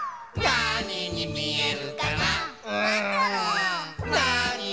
なににみえるかな